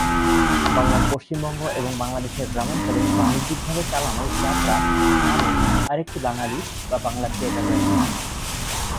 বাংলার পশ্চিমবঙ্গ এবং বাংলাদেশের গ্রামাঞ্চলে বাণিজ্যিকভাবে চালানো যাত্রা নামে আরেকটি বাঙালি বা বাংলা থিয়েটার রয়েছে।